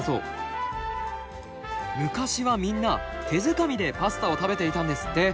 昔はみんな手づかみでパスタを食べていたんですって。